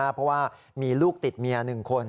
เพราะว่ามีลูกติดเมีย๑คน